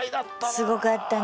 すごかったね。